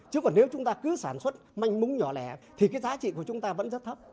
chứ còn nếu chúng ta cứ sản xuất manh múng nhỏ lẻ thì cái giá trị của chúng ta vẫn rất thấp